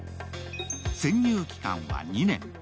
潜入期間は２年。